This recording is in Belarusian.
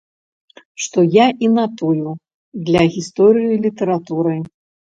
Што я і натую для гісторыі літаратуры.